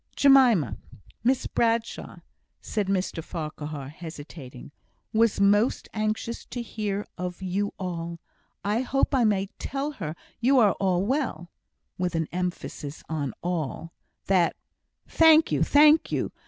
"Jemima Miss Bradshaw," said Mr Farquhar, hesitating, "was most anxious to hear of you all. I hope I may tell her you are all well" (with an emphasis on all); "that " "Thank you.